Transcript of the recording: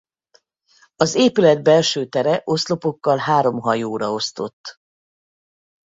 Az épület belső tere oszlopokkal három hajóra osztott.